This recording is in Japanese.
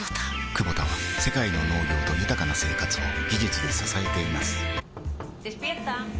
クボタは世界の農業と豊かな生活を技術で支えています起きて。